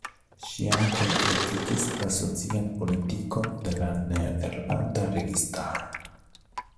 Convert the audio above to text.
Ŝi ankau kritikis la socian politikon de la nederlanda registaro.